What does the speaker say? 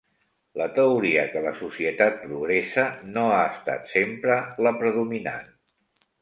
La teoria que la societat progressa no ha estat sempre la predominant.